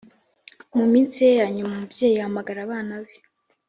mu minsi ye ya nyuma umubyeyi ahamagara abana be